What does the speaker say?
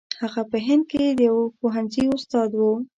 هغه په هند کې د یوه پوهنځي استاد وو.